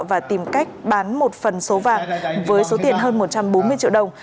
và tìm cách bán một phần số vàng với số tiền hơn một trăm bốn mươi triệu đồng